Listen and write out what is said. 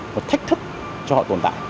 một thách thức cho họ tồn tại